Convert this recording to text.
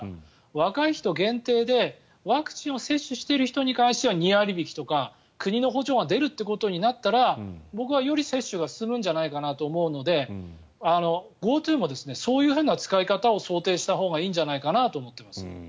若い人限定でワクチンを接種している人に関しては２割引きとか国の補助が出るということになれば僕はより接種が進むんじゃないかなと思うのでＧｏＴｏもそういうふうな使い方を想定したほうがいいんじゃないかなと思っています。